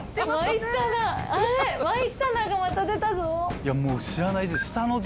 いやもう知らない字。